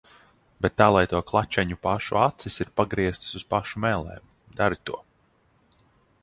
Bet tā lai to klačeņu pašu acis ir pagrieztas uz pašu mēlēm. Dari to.